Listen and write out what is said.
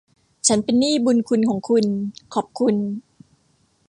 ฉันเป็นหนี้บุณคุณของคุณ ขอบคุณ